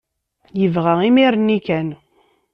Yeɣba imir-nni kan.